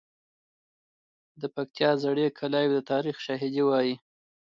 د پکتیا زړې کلاوې د تاریخ شاهدي وایي.